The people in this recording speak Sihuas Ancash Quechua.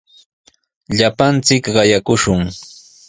Llapanchik qayakushun.